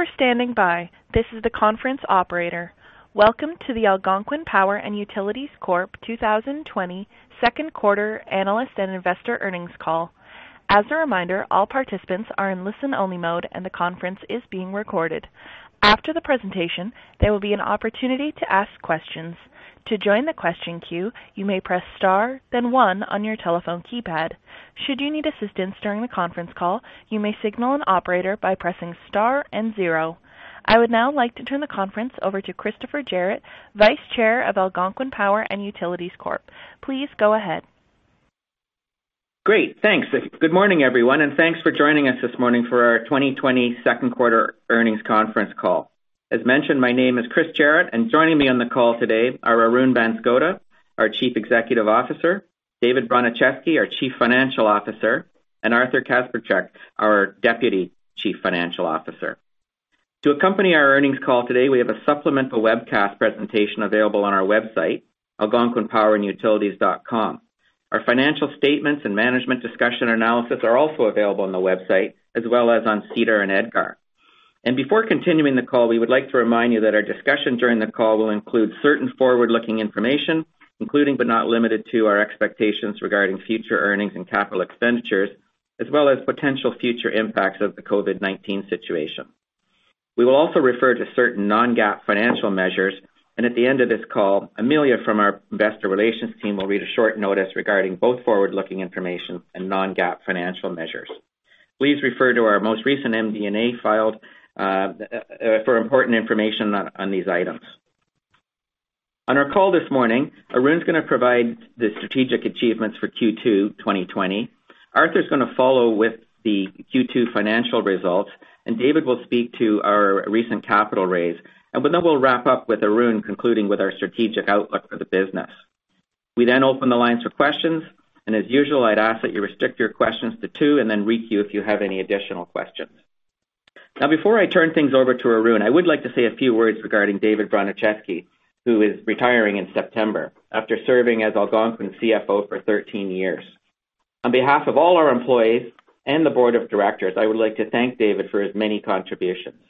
Thanks for standing by. This is the conference operator. Welcome to the Algonquin Power & Utilities Corp 2020 second quarter analyst and investor earnings call. As a reminder, all participants are in listen-only mode and the conference is being recorded. After the presentation, there will be an opportunity to ask questions. To join the question queue, you may press star then one on your telephone keypad. Should you need assistance during the conference call, you may signal an operator by pressing star and zero. I would now like to turn the conference over to Christopher Jarratt, Vice Chair of Algonquin Power & Utilities Corp. Please go ahead. Great. Thanks. Good morning, everyone. Thanks for joining us this morning for our 2020 second quarter earnings conference call. As mentioned, my name is Chris Jarratt. Joining me on the call today are Arun Banskota, our Chief Executive Officer, David Bronicheski, our Chief Financial Officer, and Arthur Kacprzak, our Deputy Chief Financial Officer. To accompany our earnings call today, we have a supplemental webcast presentation available on our website, algonquinpower.com. Our financial statements and management discussion analysis are also available on the website, as well as on SEDAR and EDGAR. Before continuing the call, we would like to remind you that our discussion during the call will include certain forward-looking information, including but not limited to our expectations regarding future earnings and capital expenditures, as well as potential future impacts of the COVID-19 situation. We will also refer to certain non-GAAP financial measures. At the end of this call, Amelia from our investor relations team will read a short notice regarding both forward-looking information and non-GAAP financial measures. Please refer to our most recent MD&A filed for important information on these items. On our call this morning, Arun is going to provide the strategic achievements for Q2 2020. Arthur is going to follow with the Q2 financial results, and David will speak to our recent capital raise. We'll wrap up with Arun concluding with our strategic outlook for the business. We then open the lines for questions. As usual, I'd ask that you restrict your questions to two and then re-queue if you have any additional questions. Before I turn things over to Arun, I would like to say a few words regarding David Bronicheski, who is retiring in September after serving as Algonquin CFO for 13 years. On behalf of all our employees and the board of directors, I would like to thank David for his many contributions.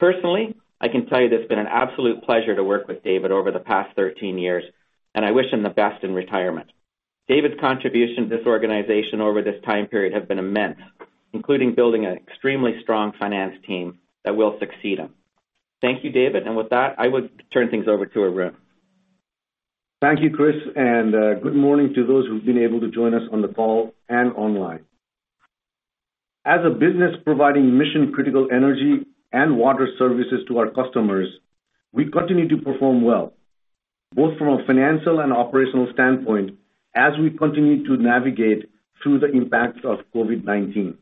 Personally, I can tell you that it's been an absolute pleasure to work with David over the past 13 years, and I wish him the best in retirement. David's contribution to this organization over this time period have been immense, including building an extremely strong finance team that will succeed him. Thank you, David. With that, I would turn things over to Arun. Thank you, Chris. Good morning to those who've been able to join us on the call and online. As a business providing mission-critical energy and water services to our customers, we continue to perform well, both from a financial and operational standpoint as we continue to navigate through the impacts of COVID-19.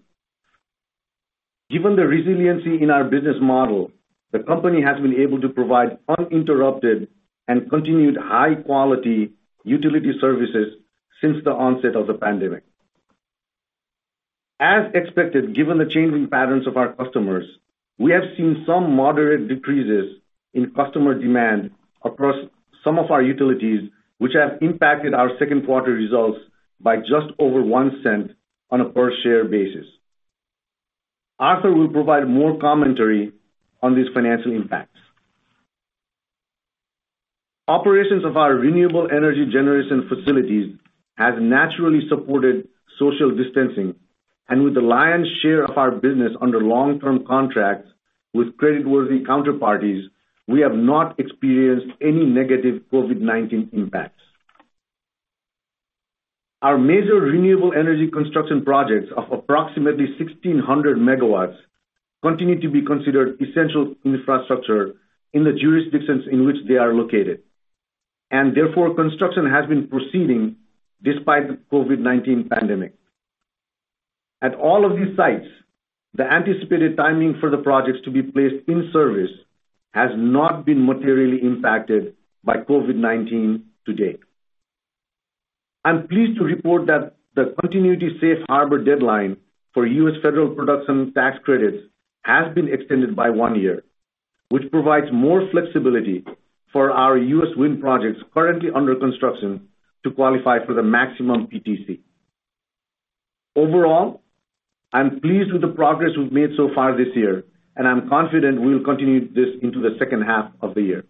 Given the resiliency in our business model, the company has been able to provide uninterrupted and continued high-quality utility services since the onset of the pandemic. As expected, given the changing patterns of our customers, we have seen some moderate decreases in customer demand across some of our utilities, which have impacted our second quarter results by just over $0.01 on a per-share basis. Arthur will provide more commentary on these financial impacts. Operations of our renewable energy generation facilities have naturally supported social distancing, and with the lion's share of our business under long-term contracts with creditworthy counterparties, we have not experienced any negative COVID-19 impacts. Our major renewable energy construction projects of approximately 1,600 MW continue to be considered essential infrastructure in the jurisdictions in which they are located, and therefore, construction has been proceeding despite the COVID-19 pandemic. At all of these sites, the anticipated timing for the projects to be placed in service has not been materially impacted by COVID-19 to date. I'm pleased to report that the Continuity Safe Harbor deadline for U.S. federal production tax credits has been extended by one year, which provides more flexibility for our U.S. wind projects currently under construction to qualify for the maximum PTC. Overall, I'm pleased with the progress we've made so far this year, and I'm confident we will continue this into the second half of the year.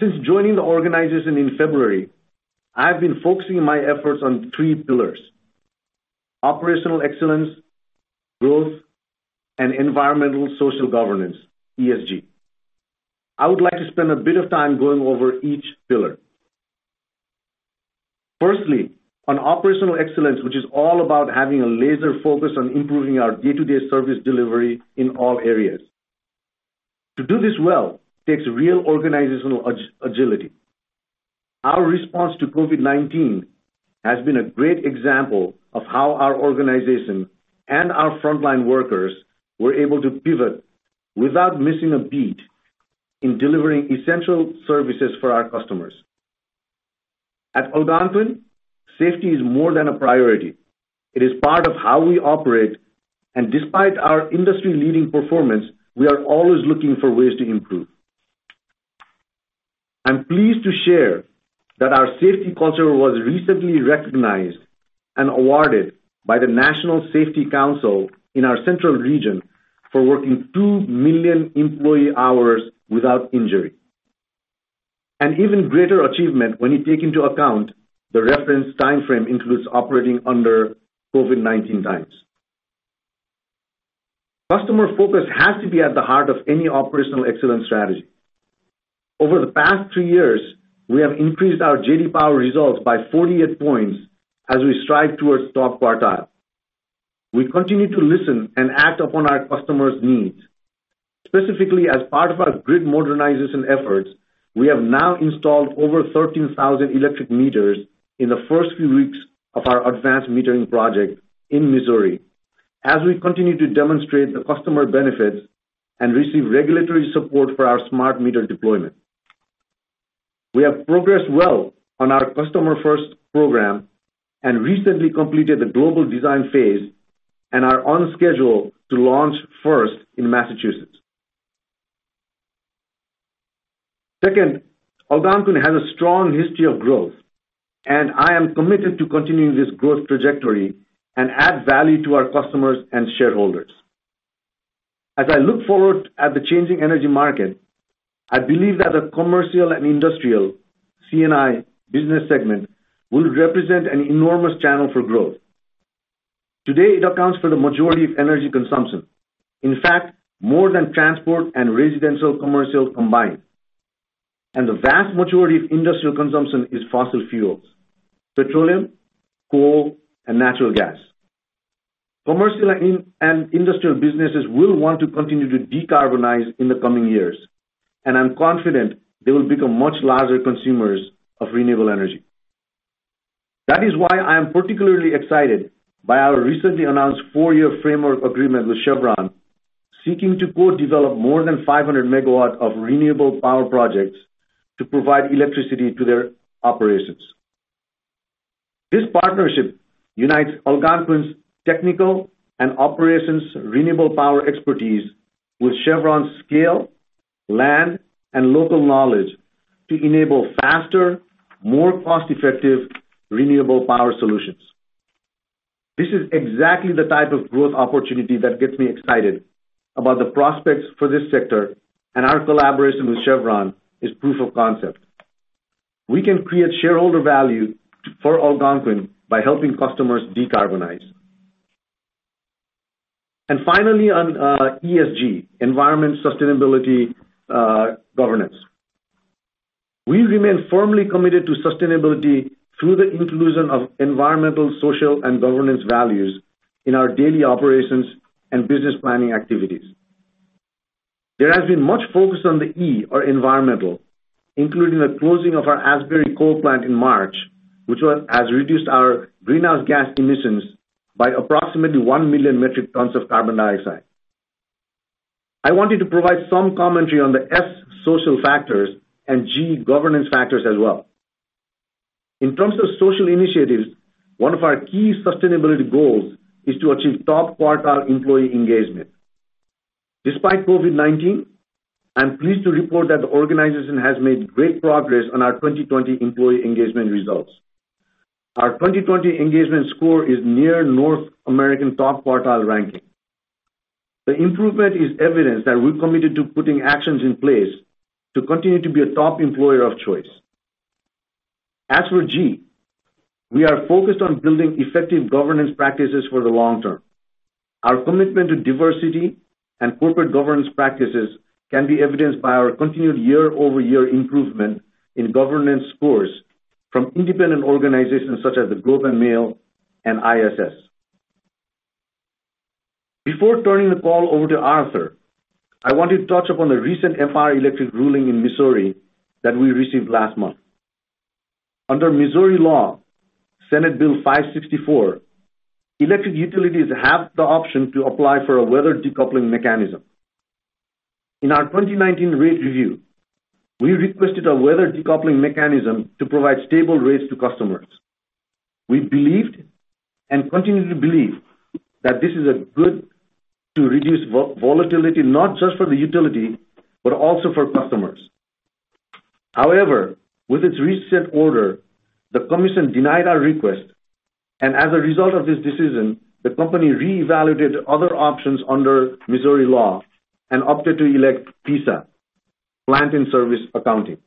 Since joining the organization in February, I have been focusing my efforts on three pillars: operational excellence, growth, and environmental social governance, ESG. I would like to spend a bit of time going over each pillar. Firstly, on operational excellence, which is all about having a laser focus on improving our day-to-day service delivery in all areas. To do this well takes real organizational agility. Our response to COVID-19 has been a great example of how our organization and our frontline workers were able to pivot without missing a beat in delivering essential services for our customers. At Algonquin, safety is more than a priority. It is part of how we operate, and despite our industry-leading performance, we are always looking for ways to improve. I'm pleased to share that our safety culture was recently recognized and awarded by the National Safety Council in our central region for working 2 million employee hours without injury. An even greater achievement when you take into account the referenced timeframe includes operating under COVID-19 times. Customer focus has to be at the heart of any operational excellence strategy. Over the past two years, we have increased our JD Power results by 48 points as we strive towards top quartile. We continue to listen and act upon our customers' needs. Specifically, as part of our grid modernization efforts, we have now installed over 13,000 electric meters in the first few weeks of our advanced metering project in Missouri, as we continue to demonstrate the customer benefits and receive regulatory support for our smart meter deployment. We have progressed well on our Customer First program and recently completed the global design phase and are on schedule to launch first in Massachusetts. Second, Algonquin has a strong history of growth, and I am committed to continuing this growth trajectory and add value to our customers and shareholders. As I look forward at the changing energy market, I believe that the Commercial and Industrial, C&I business segment will represent an enormous channel for growth. Today, it accounts for the majority of energy consumption. In fact, more than transport and residential commercial combined. The vast majority of industrial consumption is fossil fuels, petroleum, coal, and natural gas. Commercial and industrial businesses will want to continue to decarbonize in the coming years, and I'm confident they will become much larger consumers of renewable energy. That is why I am particularly excited by our recently announced four-year framework agreement with Chevron, seeking to co-develop more than 500 MW of renewable power projects to provide electricity to their operations. This partnership unites Algonquin's technical and operations renewable power expertise with Chevron's scale, land, and local knowledge to enable faster, more cost-effective renewable power solutions. This is exactly the type of growth opportunity that gets me excited about the prospects for this sector, and our collaboration with Chevron is proof of concept. We can create shareholder value for Algonquin by helping customers decarbonize. Finally on ESG, environment sustainability governance. We remain firmly committed to sustainability through the inclusion of environmental, social, and governance values in our daily operations and business planning activities. There has been much focus on the E or environmental, including the closing of our Asbury coal plant in March, which has reduced our greenhouse gas emissions by approximately 1 million metric tons of carbon dioxide. I wanted to provide some commentary on the S, social factors, and G, governance factors as well. In terms of social initiatives, one of our key sustainability goals is to achieve top quartile employee engagement. Despite COVID-19, I'm pleased to report that the organization has made great progress on our 2020 employee engagement results. Our 2020 engagement score is near North American top quartile ranking. The improvement is evidence that we're committed to putting actions in place to continue to be a top employer of choice. As for ESG, we are focused on building effective governance practices for the long term. Our commitment to diversity and corporate governance practices can be evidenced by our continued year-over-year improvement in governance scores from independent organizations such as The Globe and Mail and ISS. Before turning the call over to Arthur, I wanted to touch upon the recent Empire District ruling in Missouri that we received last month. Under Missouri law, Senate Bill 564, electric utilities have the option to apply for a weather decoupling mechanism. In our 2019 rate review, we requested a weather decoupling mechanism to provide stable rates to customers. We believed and continue to believe that this is good to reduce volatility, not just for the utility, but also for customers. With its reset order, the commission denied our request, and as a result of this decision, the company reevaluated other options under Missouri law and opted to elect PISA, Plant-in-Service Accounting.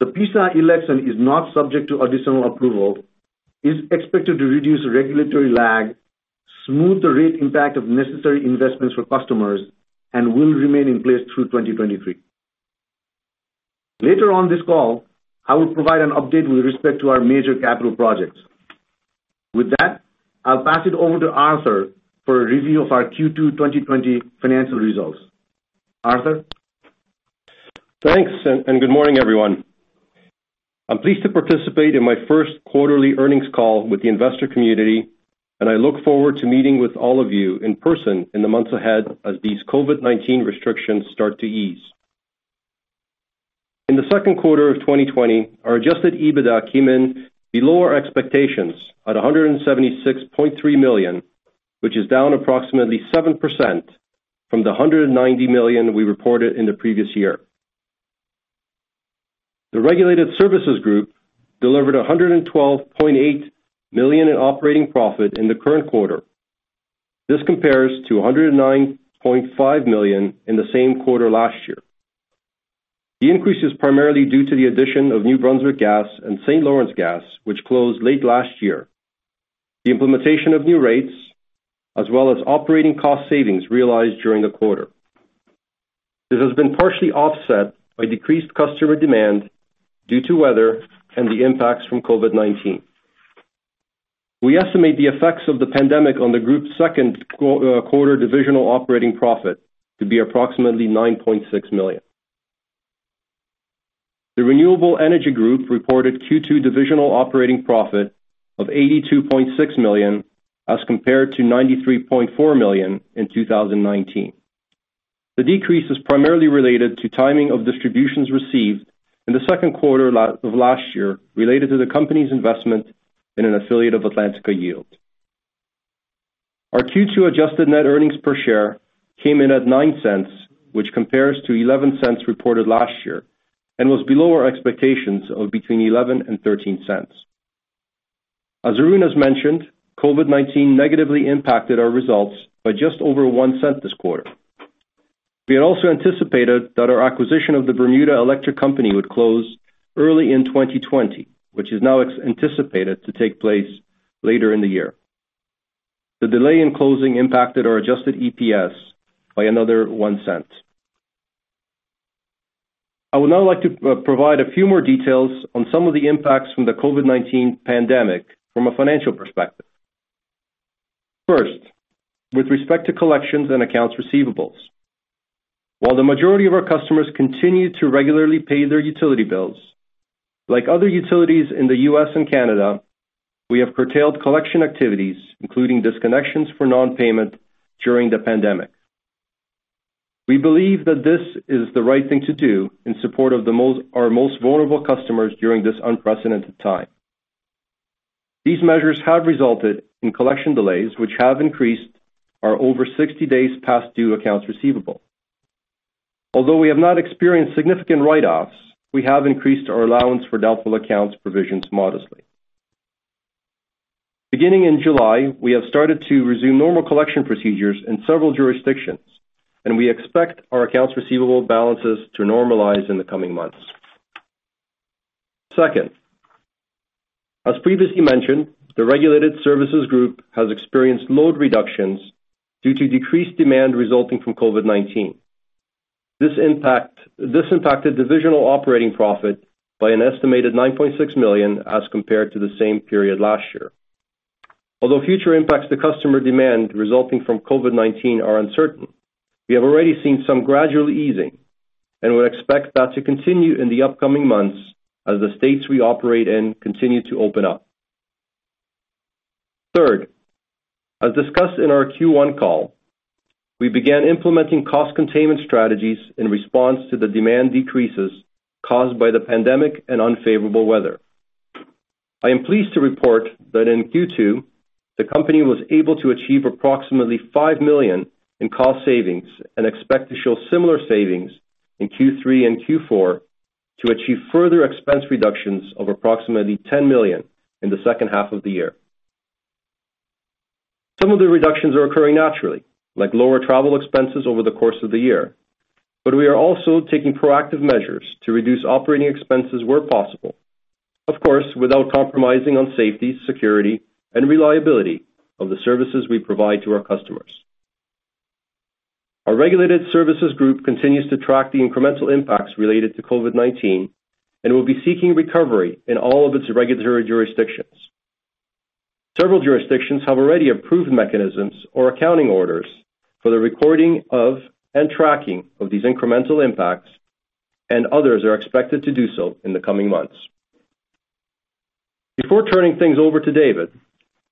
The PISA election is not subject to additional approval, is expected to reduce regulatory lag, smooth the rate impact of necessary investments for customers, and will remain in place through 2023. Later on this call, I will provide an update with respect to our major capital projects. I'll pass it over to Arthur for a review of our Q2 2020 financial results. Arthur? Thanks, good morning, everyone. I'm pleased to participate in my first quarterly earnings call with the investor community, and I look forward to meeting with all of you in person in the months ahead as these COVID-19 restrictions start to ease. In the second quarter of 2020, our adjusted EBITDA came in below our expectations at $176.3 million, which is down approximately 7% from the $190 million we reported in the previous year. The Regulated Services Group delivered $112.8 million in operating profit in the current quarter. This compares to $109.5 million in the same quarter last year. The increase is primarily due to the addition of New Brunswick Gas and St. Lawrence Gas, which closed late last year, the implementation of new rates, as well as operating cost savings realized during the quarter. This has been partially offset by decreased customer demand due to weather and the impacts from COVID-19. We estimate the effects of the pandemic on the Group's second quarter divisional operating profit to be approximately $9.6 million. The Renewable Energy Group reported Q2 divisional operating profit of $82.6 million, as compared to $93.4 million in 2019. The decrease is primarily related to timing of distributions received in the second quarter of last year, related to the company's investment in an affiliate of Atlantica Yield. Our Q2 adjusted net earnings per share came in at $0.09, which compares to $0.11 reported last year and was below our expectations of between $0.11 and $0.13. As Arun has mentioned, COVID-19 negatively impacted our results by just over $0.01 this quarter. We had also anticipated that our acquisition of the Bermuda Electric Company would close early in 2020, which is now anticipated to take place later in the year. The delay in closing impacted our adjusted EPS by another $0.01. I would now like to provide a few more details on some of the impacts from the COVID-19 pandemic from a financial perspective. First, with respect to collections and accounts receivables. While the majority of our customers continue to regularly pay their utility bills, like other utilities in the U.S. and Canada, we have curtailed collection activities, including disconnections for non-payment during the pandemic. We believe that this is the right thing to do in support of our most vulnerable customers during this unprecedented time. These measures have resulted in collection delays, which have increased our over 60 days past due accounts receivable. Although we have not experienced significant write-offs, we have increased our allowance for doubtful accounts provisions modestly. Beginning in July, we have started to resume normal collection procedures in several jurisdictions, and we expect our accounts receivable balances to normalize in the coming months. Second, as previously mentioned, the Regulated Services Group has experienced load reductions due to decreased demand resulting from COVID-19. This impacted divisional operating profit by an estimated $9.6 million as compared to the same period last year. Although future impacts to customer demand resulting from COVID-19 are uncertain, we have already seen some gradual easing and would expect that to continue in the upcoming months as the states we operate in continue to open up. Third, as discussed in our Q1 call, we began implementing cost containment strategies in response to the demand decreases caused by the pandemic and unfavorable weather. I am pleased to report that in Q2, the company was able to achieve approximately $5 million in cost savings and expect to show similar savings in Q3 and Q4 to achieve further expense reductions of approximately $10 million in the second half of the year. Some of the reductions are occurring naturally, like lower travel expenses over the course of the year. We are also taking proactive measures to reduce operating expenses where possible, of course, without compromising on safety, security, and reliability of the services we provide to our customers. Our Regulated Services Group continues to track the incremental impacts related to COVID-19 and will be seeking recovery in all of its regulatory jurisdictions. Several jurisdictions have already approved mechanisms or accounting orders for the recording of and tracking of these incremental impacts, and others are expected to do so in the coming months. Before turning things over to David,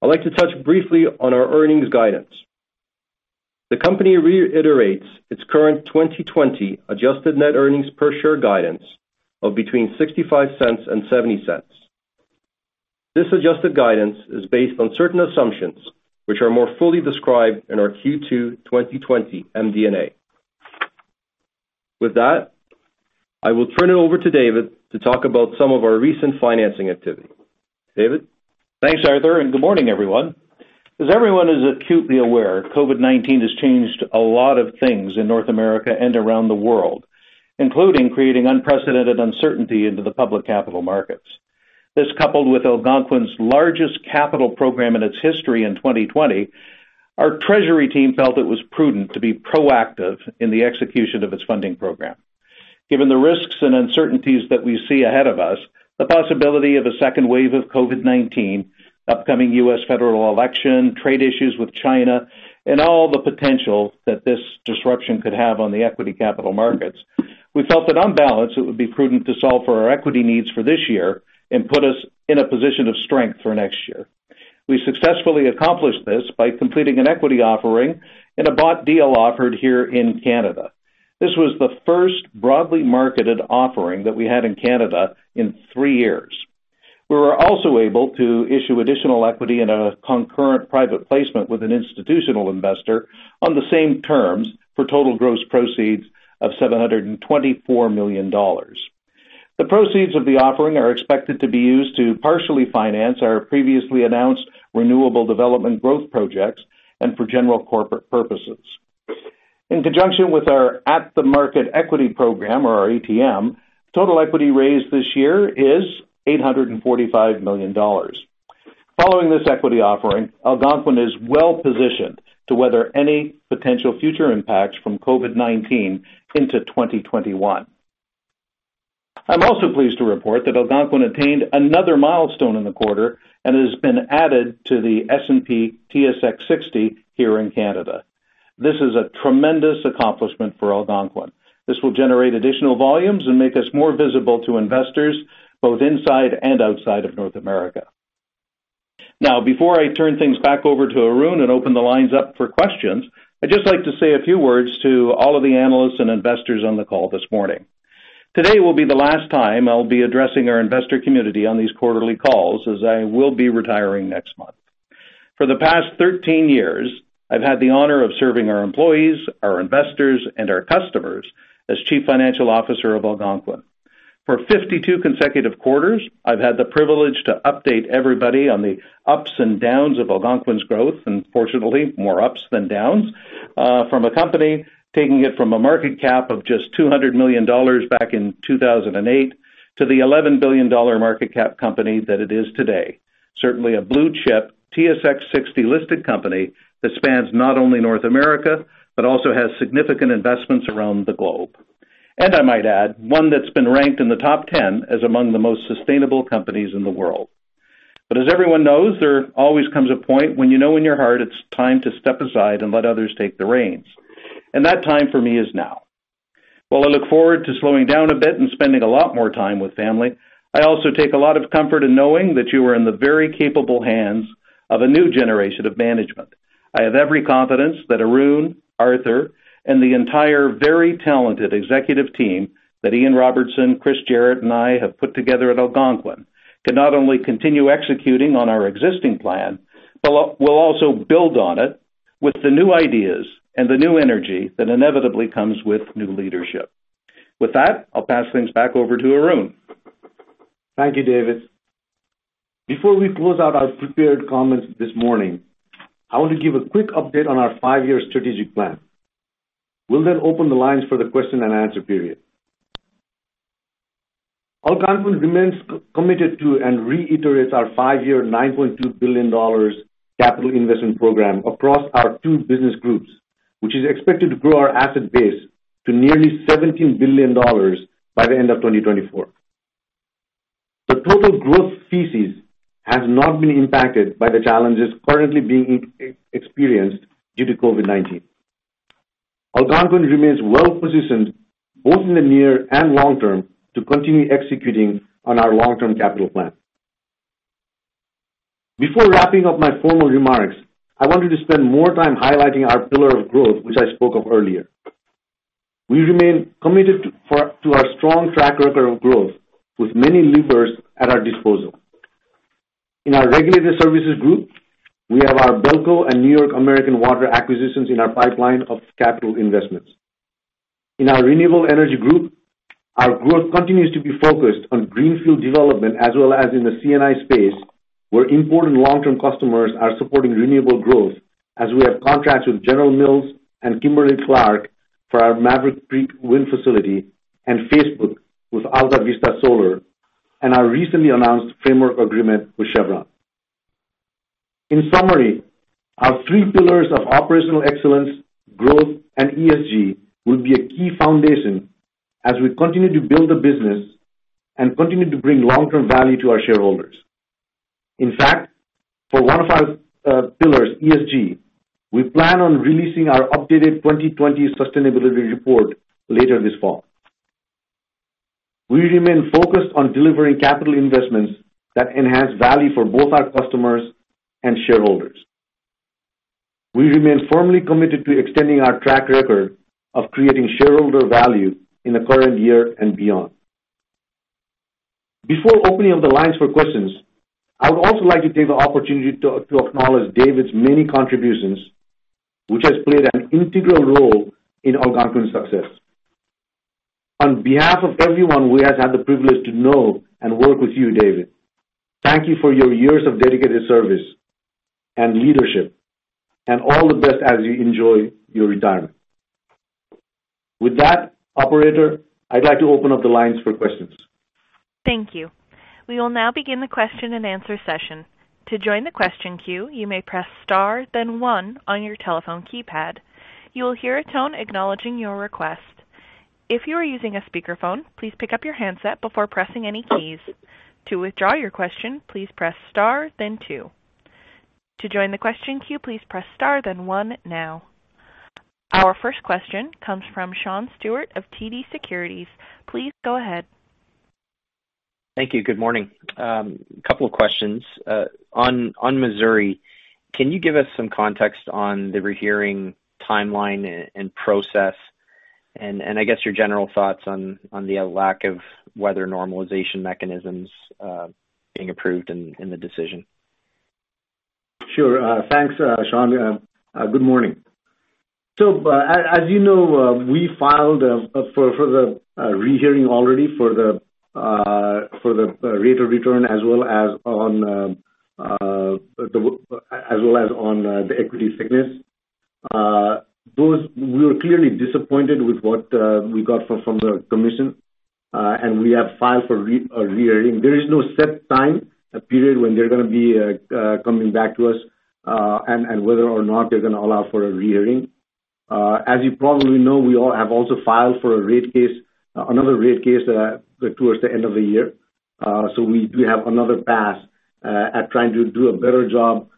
I'd like to touch briefly on our earnings guidance. The company reiterates its current 2020 adjusted net earnings per share guidance of between $0.65 and $0.70. This adjusted guidance is based on certain assumptions, which are more fully described in our Q2 2020 MD&A. With that, I will turn it over to David to talk about some of our recent financing activity. David? Thanks, Arthur, and good morning, everyone. As everyone is acutely aware, COVID-19 has changed a lot of things in North America and around the world, including creating unprecedented uncertainty into the public capital markets. This coupled with Algonquin's largest capital program in its history in 2020, our treasury team felt it was prudent to be proactive in the execution of its funding program. Given the risks and uncertainties that we see ahead of us, the possibility of a second wave of COVID-19, upcoming U.S. federal election, trade issues with China, and all the potential that this disruption could have on the equity capital markets, we felt that on balance, it would be prudent to solve for our equity needs for this year and put us in a position of strength for next year. We successfully accomplished this by completing an equity offering and a bought deal offered here in Canada. This was the first broadly marketed offering that we had in Canada in three years. We were also able to issue additional equity in a concurrent private placement with an institutional investor on the same terms for total gross proceeds of $724 million. The proceeds of the offering are expected to be used to partially finance our previously announced renewable development growth projects and for general corporate purposes. In conjunction with our at-the-market equity program, or our ATM, total equity raised this year is $845 million. Following this equity offering, Algonquin is well-positioned to weather any potential future impacts from COVID-19 into 2021. I'm also pleased to report that Algonquin attained another milestone in the quarter and has been added to the S&P/TSX 60 here in Canada. This is a tremendous accomplishment for Algonquin. This will generate additional volumes and make us more visible to investors both inside and outside of North America. Now, before I turn things back over to Arun and open the lines up for questions, I'd just like to say a few words to all of the analysts and investors on the call this morning. Today will be the last time I'll be addressing our investor community on these quarterly calls, as I will be retiring next month. For the past 13 years, I've had the honor of serving our employees, our investors, and our customers as Chief Financial Officer of Algonquin. For 52 consecutive quarters, I've had the privilege to update everybody on the ups and downs of Algonquin's growth, and fortunately, more ups than downs, from a company taking it from a market cap of just $200 million back in 2008 to the $11 billion market cap company that it is today. Certainly a blue-chip TSX 60-listed company that spans not only North America, but also has significant investments around the globe. I might add, one that's been ranked in the top 10 as among the most sustainable companies in the world. As everyone knows, there always comes a point when you know in your heart it's time to step aside and let others take the reins. That time for me is now. While I look forward to slowing down a bit and spending a lot more time with family, I also take a lot of comfort in knowing that you are in the very capable hands of a new generation of management. I have every confidence that Arun, Arthur, and the entire very talented executive team that Ian Robertson, Chris Jarratt, and I have put together at Algonquin can not only continue executing on our existing plan, but will also build on it with the new ideas and the new energy that inevitably comes with new leadership. With that, I'll pass things back over to Arun. Thank you, David. Before we close out our prepared comments this morning, I want to give a quick update on our five-year strategic plan. We'll open the lines for the question and answer period. Algonquin remains committed to and reiterates our five-year, $9.2 billion capital investment program across our two business groups, which is expected to grow our asset base to nearly $17 billion by the end of 2024. The total growth thesis has not been impacted by the challenges currently being experienced due to COVID-19. Algonquin remains well-positioned both in the near and long term to continue executing on our long-term capital plan. Before wrapping up my formal remarks, I wanted to spend more time highlighting our pillar of growth, which I spoke of earlier. We remain committed to our strong track record of growth with many levers at our disposal. In our Regulated Services Group, we have our BELCO and New York American Water acquisitions in our pipeline of capital investments. In our Renewable Energy Group, our growth continues to be focused on greenfield development as well as in the C&I space, where important long-term customers are supporting renewable growth, as we have contracts with General Mills and Kimberly-Clark for our Maverick Creek Wind facility and Facebook with Altavista Solar and our recently announced framework agreement with Chevron. In summary, our three pillars of operational excellence, growth, and ESG will be a key foundation as we continue to build the business and continue to bring long-term value to our shareholders. In fact, for one of our pillars, ESG, we plan on releasing our updated 2020 sustainability report later this fall. We remain focused on delivering capital investments that enhance value for both our customers and shareholders. We remain firmly committed to extending our track record of creating shareholder value in the current year and beyond. Before opening up the lines for questions, I would also like to take the opportunity to acknowledge David's many contributions, which has played an integral role in Algonquin's success. On behalf of everyone we have had the privilege to know and work with you, David, thank you for your years of dedicated service and leadership and all the best as you enjoy your retirement. With that, operator, I'd like to open up the lines for questions. Thank you. We will now begin the question and answer session. Our first question comes from Sean Steuart of TD Securities. Please go ahead. Thank you. Good morning. Couple of questions. On Missouri, can you give us some context on the rehearing timeline and process? I guess your general thoughts on the lack of weather normalization mechanisms being approved in the decision. Sure. Thanks, Sean. Good morning. As you know, we filed for the rehearing already for the rate of return as well as on the equity thickness. We were clearly disappointed with what we got from the commission, and we have filed for a rehearing. There is no set time period when they're going to be coming back to us, and whether or not they're going to allow for a rehearing. As you probably know, we have also filed for another rate case towards the end of the year. We have another pass at trying to do a better job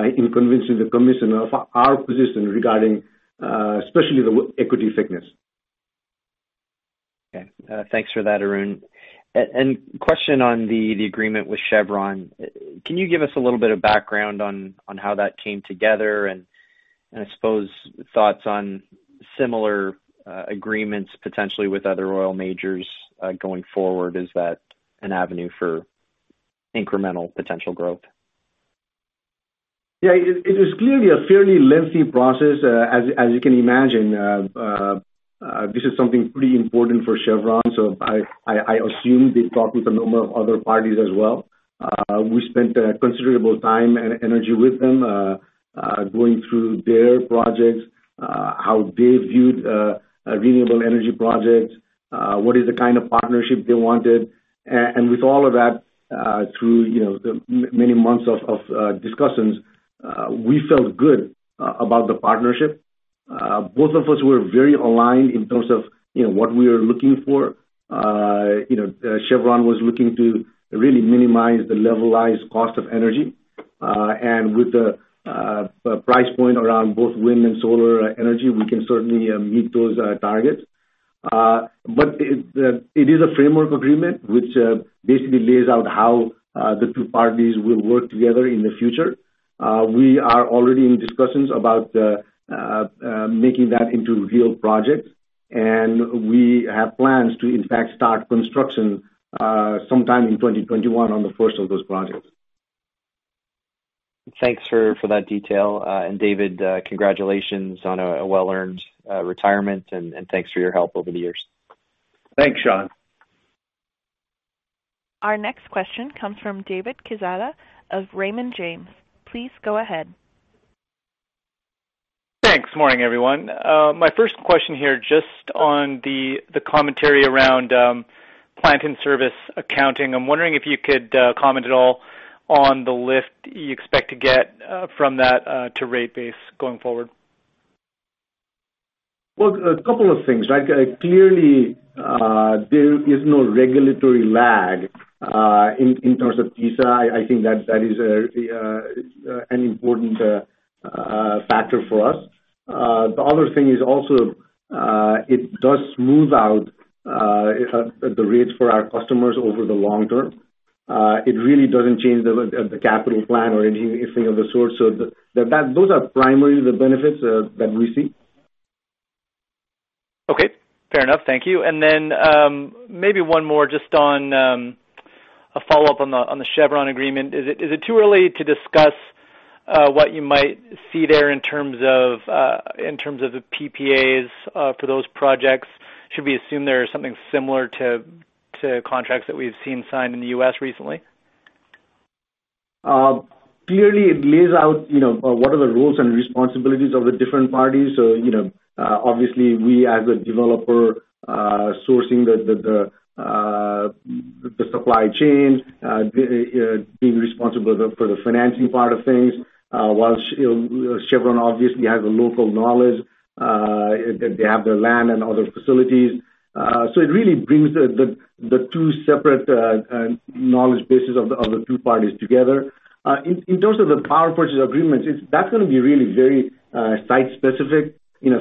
in convincing the commission of our position regarding, especially the equity thickness. Okay. Thanks for that, Arun. Question on the agreement with Chevron. Can you give us a little bit of background on how that came together and, I suppose, thoughts on similar agreements potentially with other oil majors going forward? Is that an avenue for incremental potential growth? Yeah. It is clearly a fairly lengthy process, as you can imagine. This is something pretty important for Chevron. I assume they've talked with a number of other parties as well. We spent a considerable time and energy with them, going through their projects, how they viewed renewable energy projects, what is the kind of partnership they wanted. With all of that, through the many months of discussions, we felt good about the partnership. Both of us were very aligned in terms of what we were looking for. Chevron was looking to really minimize the levelized cost of energy. With the price point around both wind and solar energy, we can certainly meet those targets. It is a framework agreement, which basically lays out how the two parties will work together in the future. We are already in discussions about making that into real projects, and we have plans to in fact start construction sometime in 2021 on the first of those projects. Thanks for that detail. David, congratulations on a well-earned retirement and thanks for your help over the years. Thanks, Sean. Our next question comes from David Quezada of Raymond James. Please go ahead. Thanks. Morning, everyone. My first question here, just on the commentary around plant and service accounting. I'm wondering if you could comment at all on the lift you expect to get from that to rate base going forward. Well, a couple of things, right. Clearly, there is no regulatory lag in terms of PISA. I think that is an important factor for us. The other thing is also, it does smooth out the rates for our customers over the long term. It really doesn't change the capital plan or anything of the sort. Those are primarily the benefits that we see. Okay. Fair enough. Thank you. Maybe one more just on a follow-up on the Chevron agreement. Is it too early to discuss what you might see there in terms of the PPAs for those projects? Should we assume there is something similar to contracts that we've seen signed in the U.S. recently? Clearly, it lays out what are the roles and responsibilities of the different parties. Obviously we as a developer are sourcing the supply chain, being responsible for the financing part of things, while Chevron obviously has a local knowledge. They have their land and other facilities. It really brings the two separate knowledge bases of the two parties together. In terms of the power purchase agreements, that's going to be really very site-specific.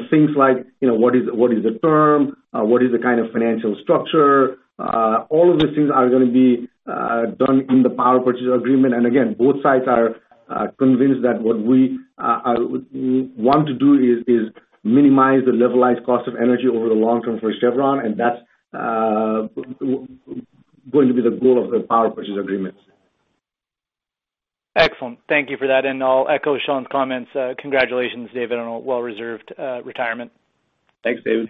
Things like, what is the term? What is the kind of financial structure? All of these things are going to be done in the power purchase agreement. Again, both sides are convinced that what we want to do is minimize the levelized cost of energy over the long term for Chevron. That's going to be the goal of the power purchase agreements. Excellent. Thank you for that. I'll echo Sean's comments. Congratulations, David, on a well-deserved retirement. Thanks, David.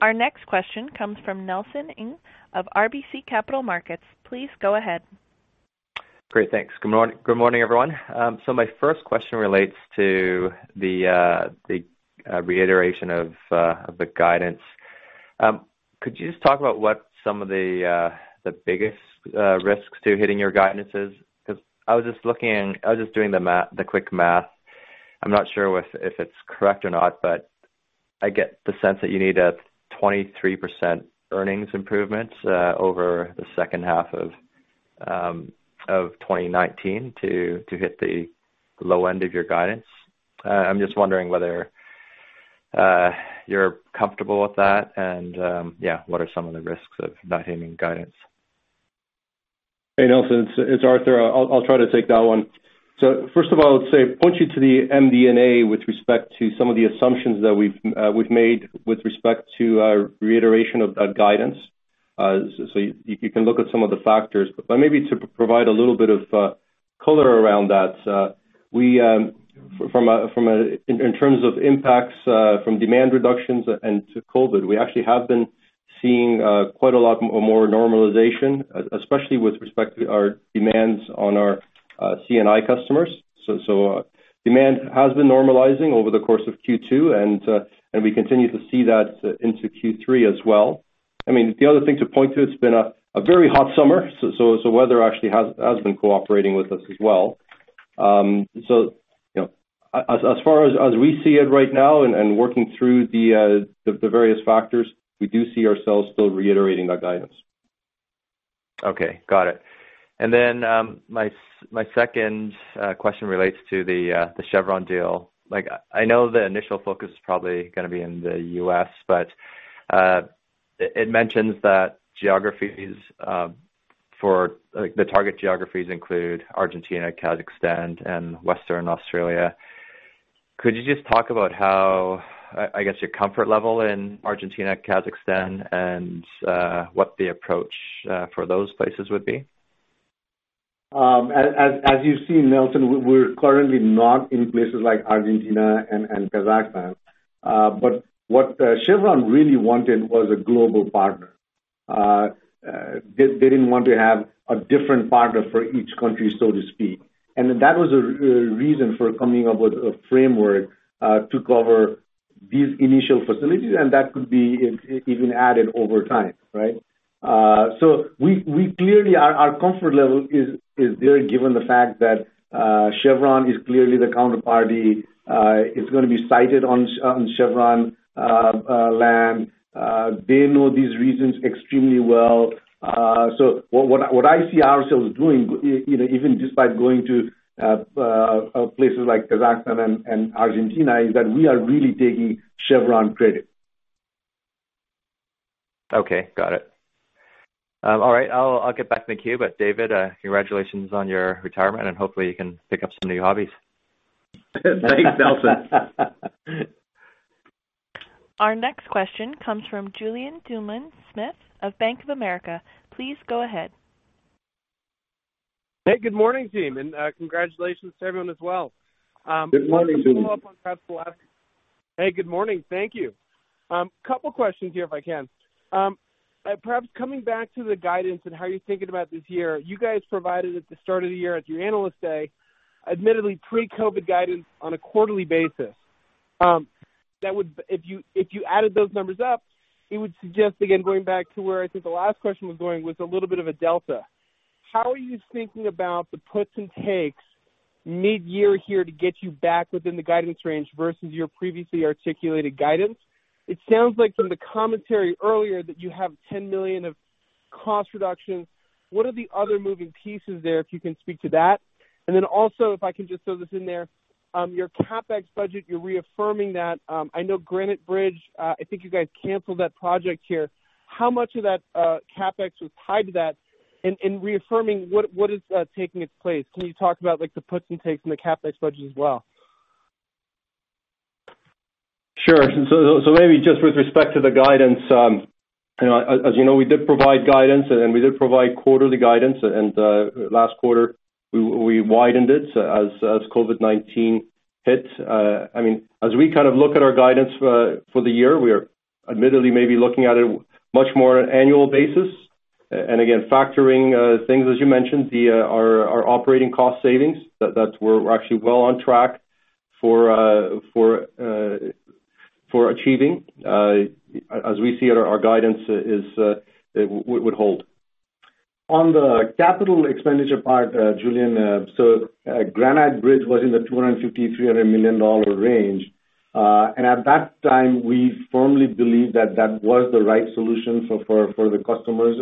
Our next question comes from Nelson Ng of RBC Capital Markets. Please go ahead. Great. Thanks. Good morning, everyone. My first question relates to the reiteration of the guidance. Could you just talk about what some of the biggest risks to hitting your guidance is? I was just doing the quick math. I'm not sure if it's correct or not, but I get the sense that you need a 23% earnings improvement over the second half of 2019 to hit the low end of your guidance. I'm just wondering whether you're comfortable with that and, yeah, what are some of the risks of not hitting guidance? Hey, Nelson, it's Arthur. I'll try to take that one. First of all, I'd say point you to the MD&A with respect to some of the assumptions that we've made with respect to our reiteration of that guidance. You can look at some of the factors. Maybe to provide a little bit of color around that. In terms of impacts from demand reductions and to COVID, we actually have been seeing quite a lot more normalization, especially with respect to our demands on our C&I customers. Demand has been normalizing over the course of Q2, and we continue to see that into Q3 as well. Other thing to point to, it's been a very hot summer, weather actually has been cooperating with us as well. As far as we see it right now and working through the various factors, we do see ourselves still reiterating that guidance. Okay. Got it. My second question relates to the Chevron deal. I know the initial focus is probably going to be in the U.S., but it mentions that the target geographies include Argentina, Kazakhstan, and Western Australia. Could you just talk about how, I guess, your comfort level in Argentina, Kazakhstan, and what the approach for those places would be? As you see, Nelson, we're currently not in places like Argentina and Kazakhstan. What Chevron really wanted was a global partner. They didn't want to have a different partner for each country, so to speak. That was a reason for coming up with a framework to cover these initial facilities, and that could be even added over time. Right? Clearly our comfort level is there given the fact that Chevron is clearly the counterparty. It's going to be sited on Chevron land. They know these regions extremely well. What I see ourselves doing, even despite going to places like Kazakhstan and Argentina, is that we are really taking Chevron credit. Okay. Got it. All right. I'll get back in the queue. David, congratulations on your retirement, and hopefully you can pick up some new hobbies. Thanks, Nelson. Our next question comes from Julien Dumoulin-Smith of Bank of America. Please go ahead. Hey, good morning, team, and congratulations to everyone as well. Good morning, Julien. Hey, good morning. Thank you. Couple questions here if I can. Perhaps coming back to the guidance and how you're thinking about this year. You guys provided at the start of the year at your Analyst Day, admittedly pre-COVID guidance on a quarterly basis. If you added those numbers up, it would suggest, again, going back to where I think the last question was going, was a little bit of a delta. How are you thinking about the puts and takes mid-year here to get you back within the guidance range versus your previously articulated guidance? It sounds like from the commentary earlier that you have $10 million of cost reductions. What are the other moving pieces there, if you can speak to that? Also, if I can just throw this in there, your CapEx budget, you're reaffirming that. I know Granite Bridge, I think you guys canceled that project here. How much of that CapEx was tied to that? In reaffirming, what is taking its place? Can you talk about the puts and takes in the CapEx budget as well? Sure. Maybe just with respect to the guidance. As you know, we did provide guidance, and we did provide quarterly guidance. Last quarter we widened it as COVID-19 hit. As we kind of look at our guidance for the year, we are admittedly maybe looking at it much more annual basis. Again, factoring things as you mentioned, our operating cost savings, that we're actually well on track for achieving. As we see it, our guidance would hold. On the capital expenditure part, Julien. Granite Bridge was in the $250 million-$300 million range. At that time, we firmly believed that that was the right solution for the customers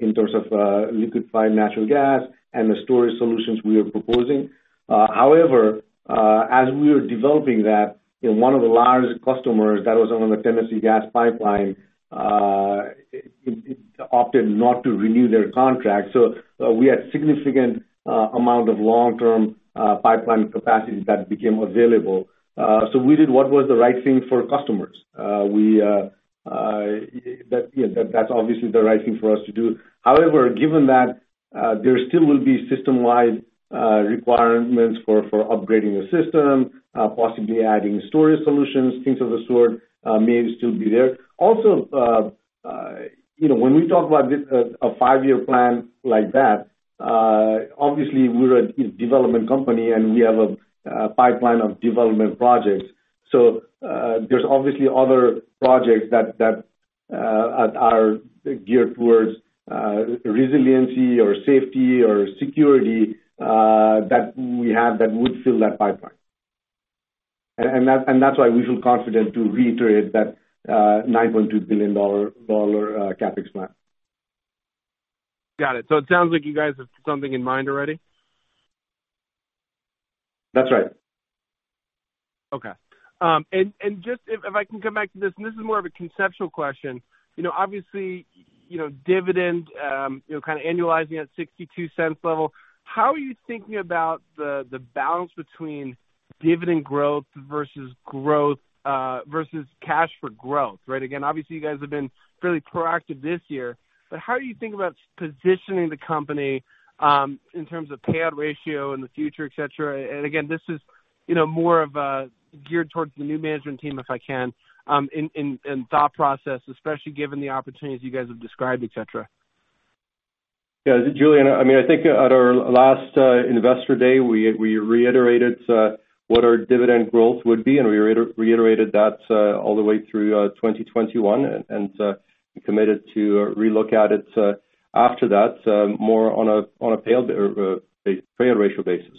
in terms of liquefied natural gas and the storage solutions we were proposing. However, as we were developing that, one of the large customers that was on the Tennessee Gas Pipeline opted not to renew their contract. We had significant amount of long-term pipeline capacity that became available. We did what was the right thing for customers. That's obviously the right thing for us to do. However, given that there still will be system-wide requirements for upgrading the system, possibly adding storage solutions, things of the sort may still be there. Also, when we talk about a five-year plan like that, obviously we're a development company, and we have a pipeline of development projects. There's obviously other projects that are geared towards resiliency or safety or security that we have that would fill that pipeline. That's why we feel confident to reiterate that $9.2 billion CapEx plan. Got it. It sounds like you guys have something in mind already? That's right. Okay. If I can come back to this is more of a conceptual question. Obviously, dividend, kind of annualizing at $0.62 level, how are you thinking about the balance between dividend growth versus cash for growth, right? Again, obviously, you guys have been fairly proactive this year, but how are you thinking about positioning the company in terms of payout ratio in the future, et cetera? Again, this is more geared towards the new management team, if I can, and thought process, especially given the opportunities you guys have described, et cetera. Yeah. Julien, I think at our last Investor Day, we reiterated what our dividend growth would be, and we reiterated that all the way through 2021, and committed to relook at it after that, more on a payout ratio basis.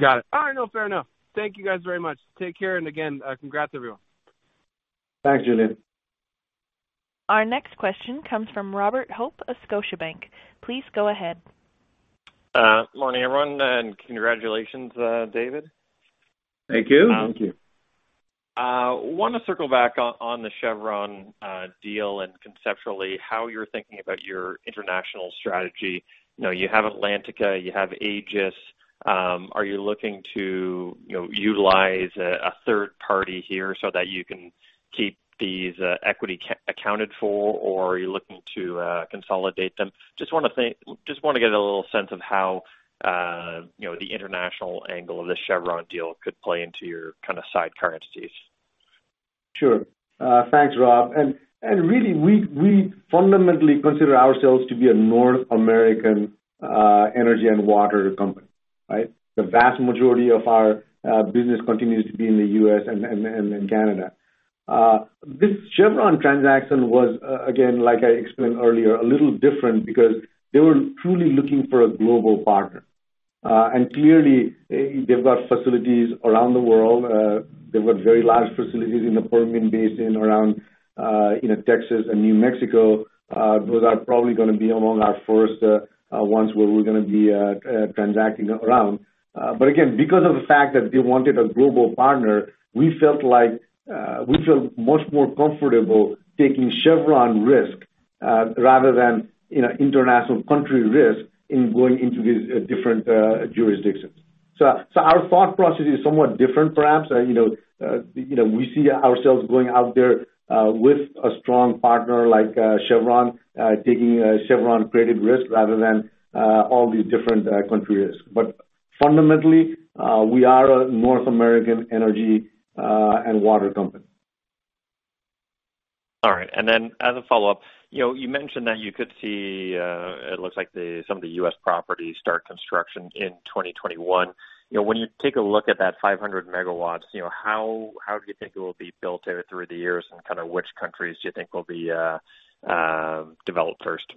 Got it. Fair enough. Thank you guys very much. Take care, and again, congrats everyone. Thanks, Julien. Our next question comes from Robert Hope of Scotiabank. Please go ahead. Morning, everyone. Congratulations, David. Thank you. Thank you. I want to circle back on the Chevron deal and conceptually how you're thinking about your international strategy. You have Atlantica, you have AAGES. Are you looking to utilize a third party here so that you can keep these equity accounted for, or are you looking to consolidate them? Just want to get a little sense of how the international angle of the Chevron deal could play into your kind of sidecar entities. Sure. Thanks, Rob. Really, we fundamentally consider ourselves to be a North American energy and water company, right? The vast majority of our business continues to be in the U.S. and Canada. This Chevron transaction was, again, like I explained earlier, a little different because they were truly looking for a global partner. Clearly, they've got facilities around the world. They've got very large facilities in the Permian Basin around Texas and New Mexico. Those are probably going to be among our first ones where we're going to be transacting around. Again, because of the fact that they wanted a global partner, we felt much more comfortable taking Chevron risk rather than international country risk in going into these different jurisdictions. Our thought process is somewhat different, perhaps. We see ourselves going out there with a strong partner like Chevron, taking Chevron-created risk rather than all these different country risks. Fundamentally, we are a North American energy and water company. All right. As a follow-up, you mentioned that you could see, it looks like some of the U.S. properties start construction in 2021. When you take a look at that 500 MW, how do you think it will be built out through the years, and kind of which countries do you think will be developed first?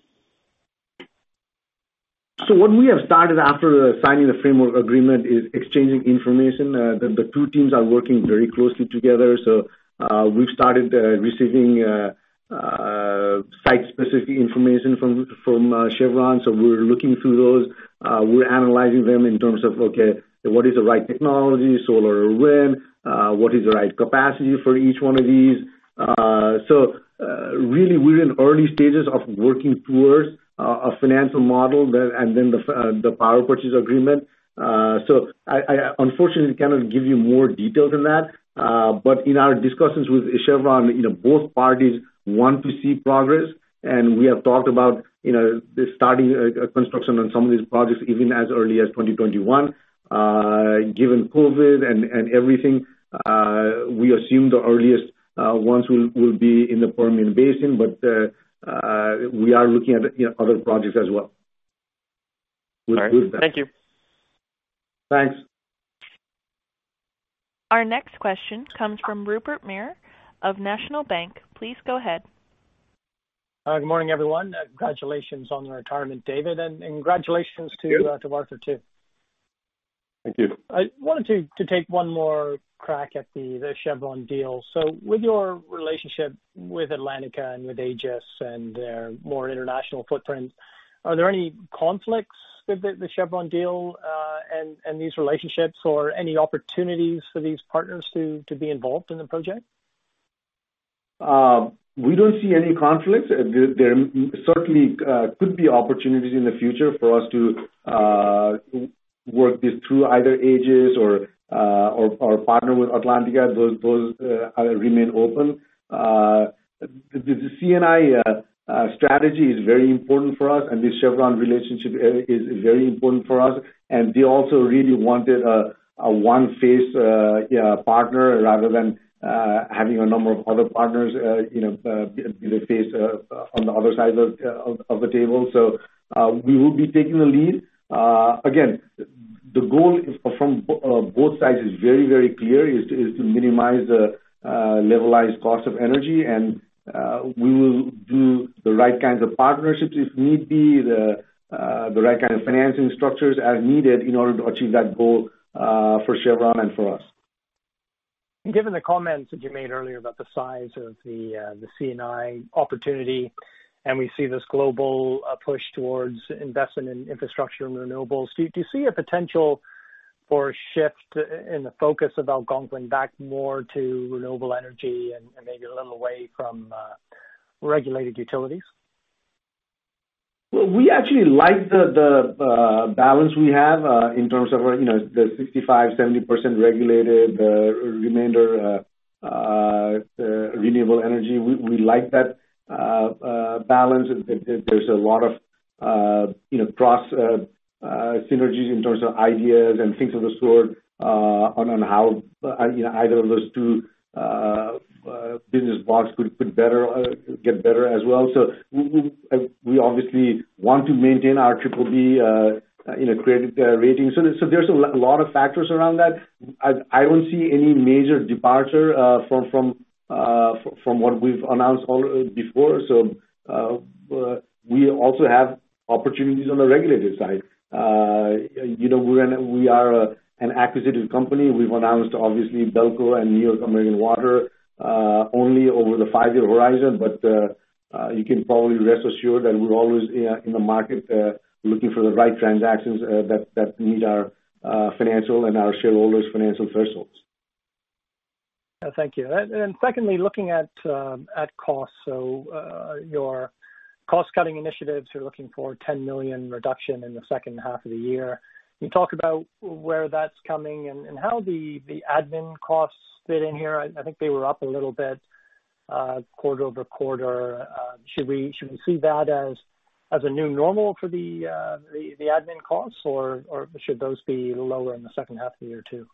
What we have started after signing the framework agreement is exchanging information. The two teams are working very closely together. We've started receiving site-specific information from Chevron, so we're looking through those. We're analyzing them in terms of, okay, what is the right technology, solar or wind? What is the right capacity for each one of these? Really, we're in early stages of working towards a financial model there, and then the power purchase agreement. I unfortunately cannot give you more detail than that. In our discussions with Chevron, both parties want to see progress. We have talked about starting construction on some of these projects even as early as 2021. Given COVID and everything, we assume the earliest ones will be in the Permian Basin. We are looking at other projects as well. All right. Thank you. Thanks. Our next question comes from Rupert Merer of National Bank. Please go ahead. Good morning, everyone. Congratulations on your retirement, David. Thank you. Congratulations to Arthur too. Thank you. I wanted to take one more crack at the Chevron deal. With your relationship with Atlantica and with AAGES and their more international footprint, are there any conflicts with the Chevron deal, and these relationships, or any opportunities for these partners to be involved in the project? We don't see any conflicts. There certainly could be opportunities in the future for us to work this through either AAGES or partner with Atlantica. Those remain open. The C&I strategy is very important for us, and the Chevron relationship is very important for us, and they also really wanted a one-face partner rather than having a number of other partners in the face on the other side of the table. We will be taking the lead. Again, the goal from both sides is very clear, is to minimize the levelized cost of energy, and we will do the right kinds of partnerships if need be, the right kind of financing structures as needed in order to achieve that goal for Chevron and for us. Given the comments that you made earlier about the size of the C&I opportunity, and we see this global push towards investment in infrastructure and renewables, do you see a potential for a shift in the focus of Algonquin back more to renewable energy and maybe a little away from regulated utilities? Well, we actually like the balance we have in terms of the 65%-70% regulated, the remainder renewable energy. We like that balance. There's a lot of cross synergies in terms of ideas and things of the sort on how either of those two business blocks could get better as well. We obviously want to maintain our BBB credit rating. There's a lot of factors around that. I don't see any major departure from what we've announced before. We also have opportunities on the regulated side. We are an acquisitive company. We've announced, obviously, BELCO and New York American Water only over the five-year horizon. You can probably rest assured that we're always in the market looking for the right transactions that meet our financial and our shareholders' financial thresholds. Thank you. Secondly, looking at costs. Your cost-cutting initiatives, you're looking for a $10 million reduction in the second half of the year. Can you talk about where that's coming and how the admin costs fit in here? I think they were up a little bit quarter-over-quarter. Should we see that as a new normal for the admin costs, or should those be lower in the second half of the year, too?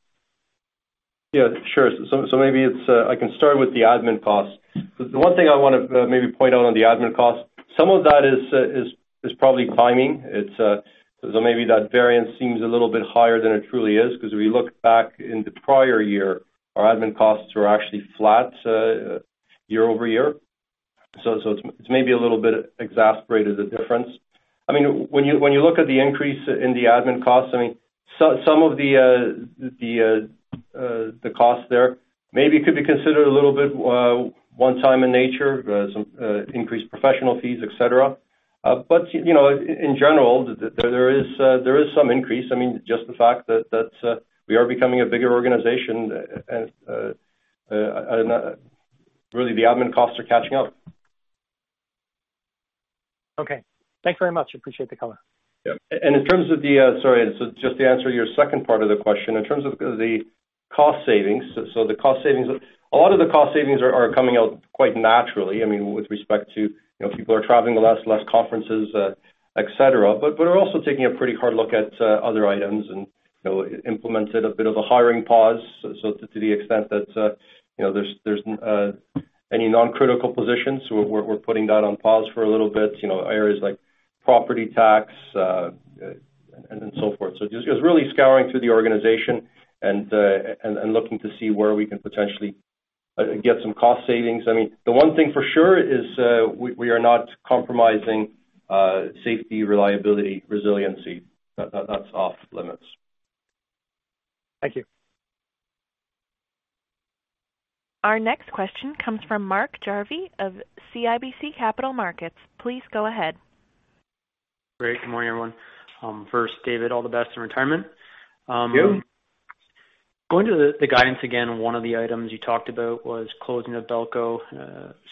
Yeah, sure. Maybe I can start with the admin costs. The one thing I want to maybe point out on the admin costs, some of that is probably climbing. Maybe that variance seems a little bit higher than it truly is, because if we look back in the prior year, our admin costs were actually flat year-over-year. It's maybe a little bit exacerbated, the difference. When you look at the increase in the admin costs, some of the costs there maybe could be considered a little bit one time in nature, some increased professional fees, et cetera. In general, there is some increase. Just the fact that we are becoming a bigger organization and really, the admin costs are catching up. Okay. Thanks very much. Appreciate the color. Yeah. In terms of the Sorry, so just to answer your second part of the question. In terms of the cost savings, a lot of the cost savings are coming out quite naturally with respect to people are traveling less, less conferences, et cetera. We're also taking a pretty hard look at other items and implemented a bit of a hiring pause. To the extent that there's any non-critical positions, we're putting that on pause for a little bit. Areas like property tax and so forth. Just really scouring through the organization and looking to see where we can potentially get some cost savings. The one thing for sure is we are not compromising safety, reliability, resiliency. That's off limits. Thank you. Our next question comes from Mark Jarvi of CIBC Capital Markets. Please go ahead. Great. Good morning, everyone. First, David, all the best in retirement. Thank you. Going to the guidance again, one of the items you talked about was closing of BELCO.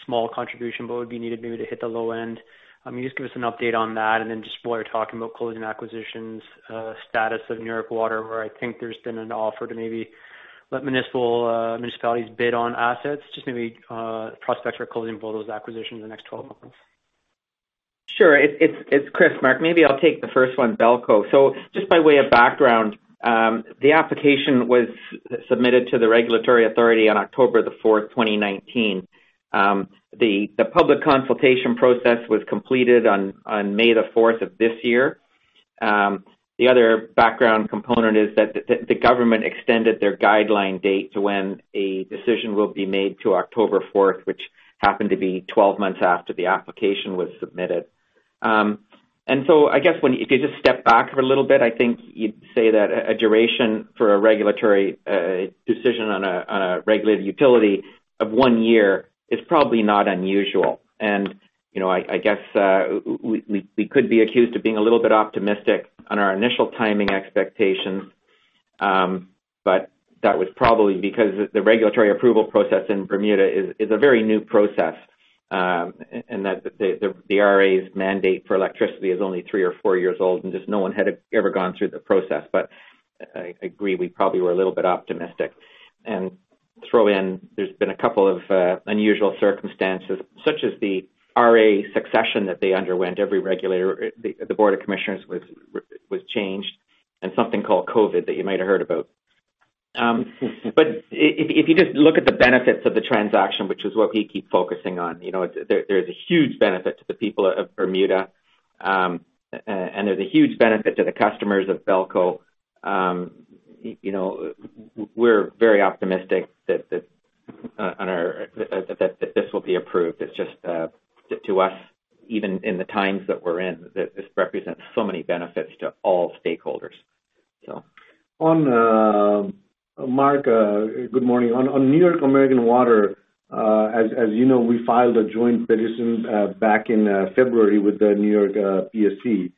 Small contribution, but would be needed maybe to hit the low end. Can you just give us an update on that? Just while you're talking about closing acquisitions, status of New York Water, where I think there's been an offer to maybe let municipalities bid on assets, just maybe prospects for closing both those acquisitions in the next 12 months. Sure. It's Chris, Mark. Maybe I'll take the first one, BELCO. Just by way of background, the application was submitted to the regulatory authority on October 4th, 2019. The public consultation process was completed on May 4th of this year. The other background component is that the government extended their guideline date to when a decision will be made to October 4th, which happened to be 12 months after the application was submitted. I guess if you just step back for a little bit, I think you'd say that a duration for a regulatory decision on a regulated utility of one year is probably not unusual. I guess we could be accused of being a little bit optimistic on our initial timing expectations. That was probably because the regulatory approval process in Bermuda is a very new process, and that the RA's mandate for electricity is only three or four years old, and just no one had ever gone through the process. I agree, we probably were a little bit optimistic. Throw in, there's been a couple of unusual circumstances, such as the RA succession that they underwent. Every regulator, the Board of Commissioners, was changed, and something called COVID that you might have heard about. If you just look at the benefits of the transaction, which is what we keep focusing on, there's a huge benefit to the people of Bermuda, and there's a huge benefit to the customers of BELCO. We're very optimistic that this will be approved. It's just to us, even in the times that we're in, that this represents so many benefits to all stakeholders. Mark, good morning. On New York American Water, as you know, we filed a joint petition back in February with the New York PSC.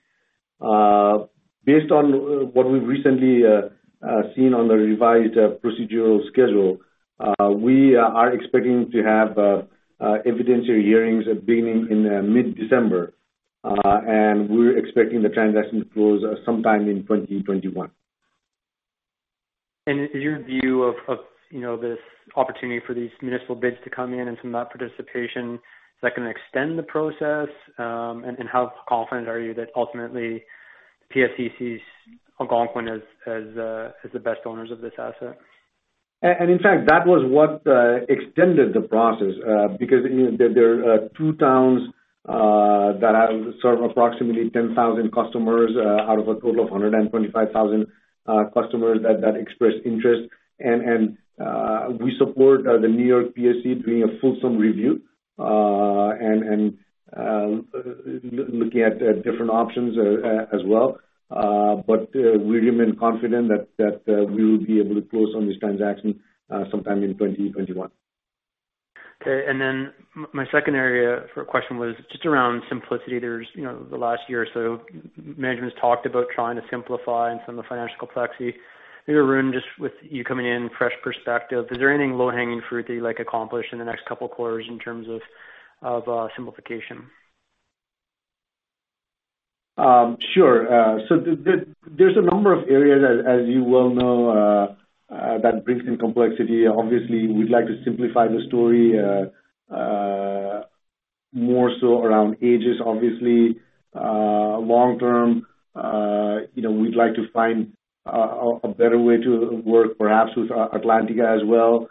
Based on what we've recently seen on the revised procedural schedule, we are expecting to have evidentiary hearings beginning in mid-December, and we're expecting the transaction to close sometime in 2021. Is your view of this opportunity for these municipal bids to come in and some of that participation, is that going to extend the process? How confident are you that ultimately PSC sees Algonquin as the best owners of this asset? In fact, that was what extended the process. There are two towns that have served approximately 10,000 customers out of a total of 125,000 customers that expressed interest. We support the New York PSC doing a fulsome review and looking at different options as well. We remain confident that we will be able to close on this transaction sometime in 2021. My second area for a question was just around simplicity. The last year or so, management's talked about trying to simplify and some of the financial complexity. Maybe, Arun, just with you coming in, fresh perspective, is there anything low-hanging fruit that you'd like accomplished in the next couple of quarters in terms of simplification? Sure. There's a number of areas, as you well know, that brings in complexity. Obviously, we'd like to simplify the story, more so around AAGES, obviously. Long-term, we'd like to find a better way to work, perhaps with Atlantica as well.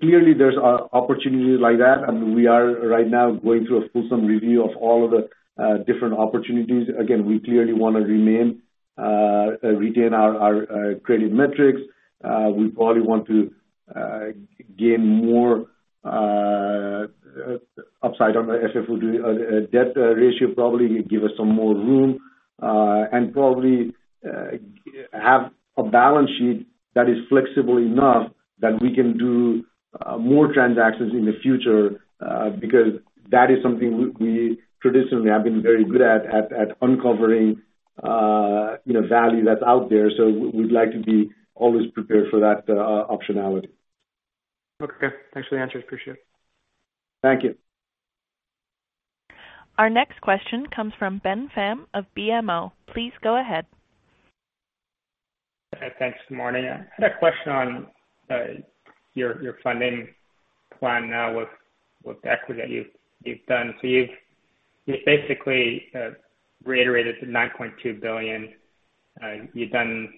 Clearly there's opportunities like that, and we are right now going through a fulsome review of all of the different opportunities. Again, we clearly want to retain our credit metrics. We probably want to gain more upside on the FFO-to-debt ratio, probably give us some more room. Probably have a balance sheet that is flexible enough that we can do more transactions in the future, because that is something we traditionally have been very good at uncovering value that's out there. We'd like to be always prepared for that optionality. Okay. Thanks for the answers. Appreciate it. Thank you. Our next question comes from Ben Pham of BMO. Please go ahead. Thanks. Good morning. I had a question on your funding plan now with the equity that you've done. You've basically reiterated the $9.2 billion. You've done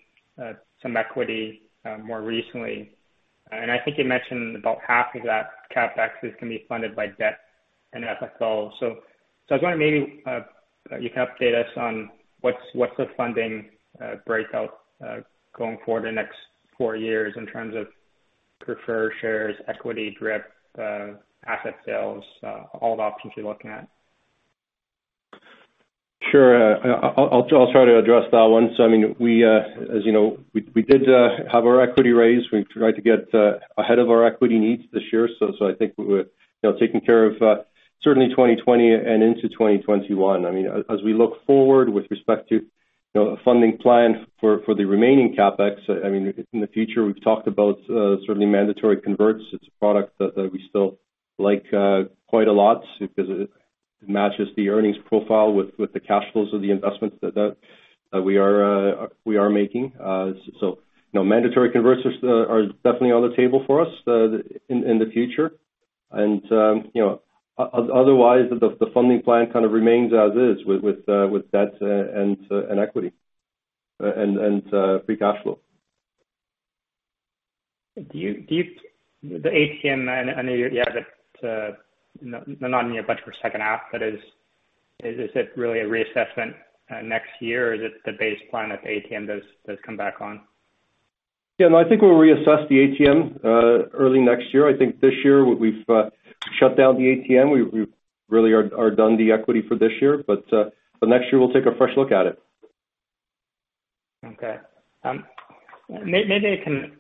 some equity more recently. I think you mentioned about half of that CapEx is going to be funded by debt and FFO. I was wondering maybe you can update us on what's the funding breakout going forward the next 4 years in terms of preferred shares, equity, DRIP, asset sales, all the options you're looking at. Sure. I'll try to address that one. As you know, we did have our equity raise. We tried to get ahead of our equity needs this year. I think we were taking care of certainly 2020 and into 2021. As we look forward with respect to a funding plan for the remaining CapEx, in the future, we've talked about certainly mandatory converts. It's a product that we still like quite a lot because it matches the earnings profile with the cash flows of the investments that we are making. Mandatory converts are definitely on the table for us in the future. Otherwise, the funding plan kind of remains as is with debt and equity and free cash flow. The ATM, I know you have it not in your budget for second half, but is it really a reassessment next year, or is it the base plan if the ATM does come back on? Yeah, no, I think we'll reassess the ATM early next year. I think this year we've shut down the ATM. We really are done the equity for this year. Next year we'll take a fresh look at it. Okay. Maybe I can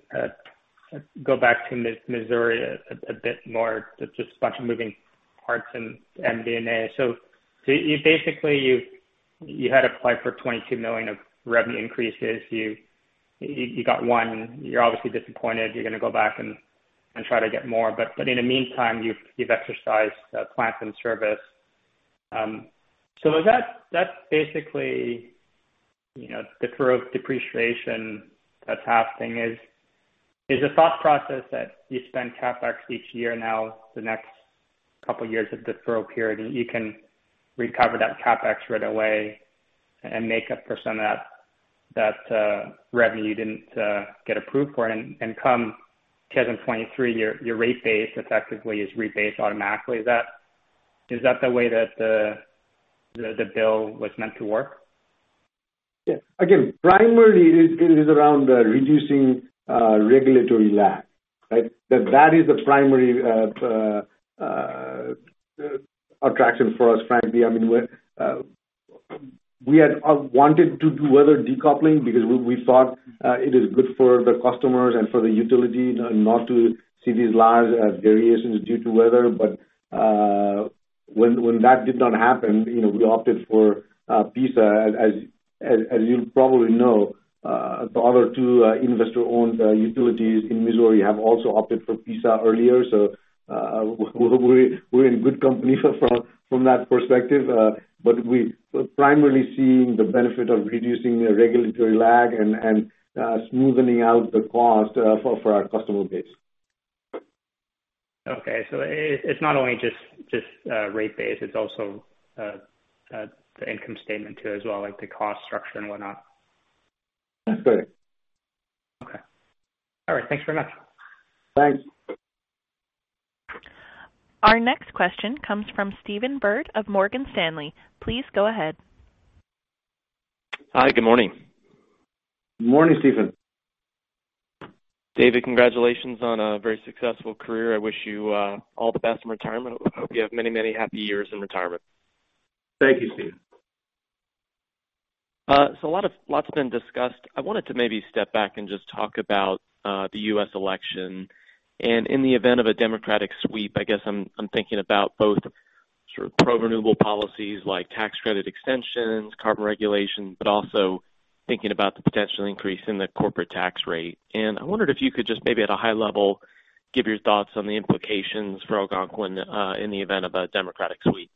go back to Missouri a bit more. It's just a bunch of moving parts and MD&A. Basically you had applied for $22 million of revenue increases. You got one. You're obviously disappointed. You're going to go back and try to get more. In the meantime, you've exercised plant in service. That's basically the through depreciation, that half thing is. Is the thought process that you spend CapEx each year now the next couple of years of deferral period, and you can recover that CapEx right away and make up for some of that revenue you didn't get approved for and come 2023, your rate base effectively is rebased automatically. Is that the way that the bill was meant to work? Yeah. Primarily it is around reducing regulatory lag, right? That is the primary attraction for us, frankly. We had wanted to do weather decoupling because we thought it is good for the customers and for the utility not to see these large variations due to weather. When that did not happen, we opted for PISA. As you probably know, the other two investor-owned utilities in Missouri have also opted for PISA earlier. We're in good company from that perspective. We're primarily seeing the benefit of reducing the regulatory lag and smoothening out the cost for our customer base. Okay, it's not only just rate base, it's also the income statement, too, as well, like the cost structure and whatnot. That's correct. Okay. All right, thanks very much. Thanks. Our next question comes from Stephen Byrd of Morgan Stanley. Please go ahead. Hi, good morning. Good morning, Stephen. David, congratulations on a very successful career. I wish you all the best in retirement. I hope you have many happy years in retirement. Thank you, Stephen. A lot's been discussed. I wanted to maybe step back and just talk about the U.S. election. In the event of a Democratic sweep, I guess I'm thinking about both sort of pro-renewable policies like tax credit extensions, carbon regulation, but also thinking about the potential increase in the corporate tax rate. I wondered if you could just maybe at a high level, give your thoughts on the implications for Algonquin in the event of a Democratic sweep.